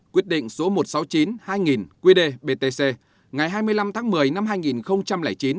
quyết định số một trăm sáu mươi chín hai nghìn qd btc ngày hai mươi năm tháng một mươi năm hai nghìn chín